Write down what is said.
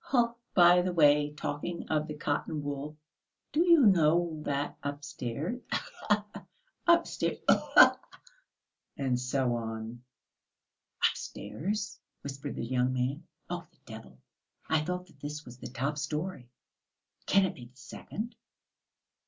"Oh, by the way, talking of the cotton wool, do you know that upstairs ... khee khee ... upstairs ... khee khee ..." and so on. "Upstairs!" whispered the young man. "Oh, the devil! I thought that this was the top storey; can it be the second?"